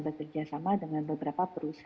bekerjasama dengan beberapa